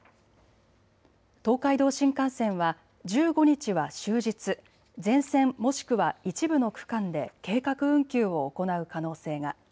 東海道新幹線は１５日は終日、全線もしくは一部の区間で計画運休を行う可能性が。